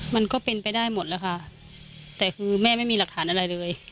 มันก็เป็นไปได้หมดแล้วค่ะแต่คือแม่ไม่มีหลักฐานอะไรเลย